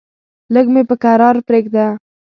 لږ مې په کرار پرېږده!